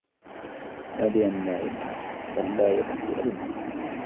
نادرا ما يضحك بل لا يضحك أبدا.